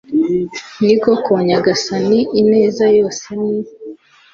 ni koko nyagasani ineza yose ni